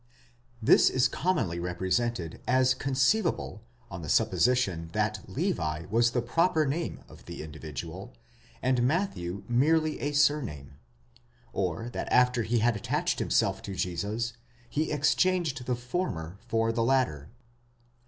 This is commonly represented as conceivable on the supposition that Levi was the proper name of the individual, and Matthew merely a surname ; or that after he had attached himself to Jesus, he exchanged the former for the latter.